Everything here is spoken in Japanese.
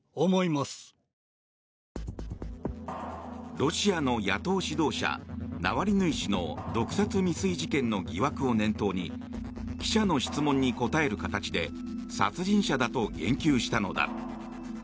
ロシアの野党指導者ナワリヌイ氏の毒殺未遂事件の疑惑を念頭に記者の質問に答える形で殺人者だと言及したのだ。